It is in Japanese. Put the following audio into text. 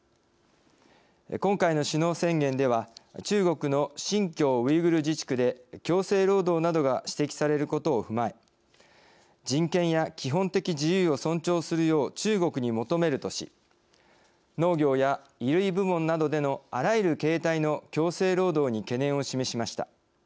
今回の首脳宣言では中国の新疆ウイグル自治区で強制労働などが指摘されることを踏まえ人権や基本的自由を尊重するよう中国に求めるとし農業や衣類部門などでのあらゆる形態の強制労働に懸念を示しました。